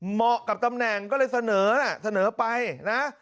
เหมาะกับตำแหน่งก็เลยเสนอนะเสนอไปนะ